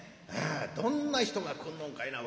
どんな人が来んのんかいな。